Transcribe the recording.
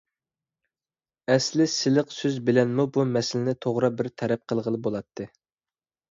ئەسلى سىلىق سۆز بىلەنمۇ بۇ مەسىلىنى توغرا بىر تەرەپ قىلغىلى بولاتتى.